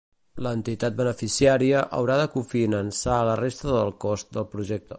L'entitat beneficiària haurà de cofinançar la resta del cost del projecte.